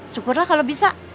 syukurlah kalau bisa